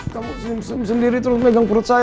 kamu senyum senyum sendiri terus megang perut saya lagi